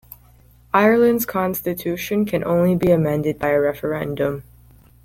Ireland's Constitution can only be amended by a referendum.